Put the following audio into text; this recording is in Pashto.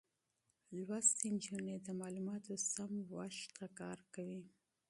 تعليم شوې نجونې د معلوماتو سم وېش ته کار کوي.